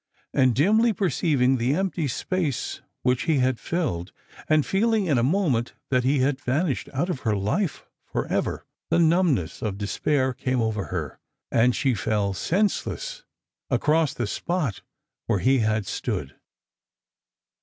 And dimly perceiving the empty space which he had filled, and feeling in a momont that he had vanished out of her life for ever, the numb ness of despair came over her, and she fell senseless across the spot where he had stood.